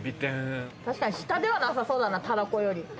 確かに下ではなさそうだな、たらこより。